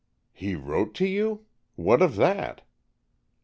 "He wrote to you! What of that?"